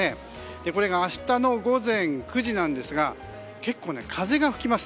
これが明日の午前９時なんですが結構風が吹きます。